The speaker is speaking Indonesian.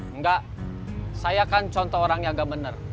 enggak saya kan contoh orang yang agak bener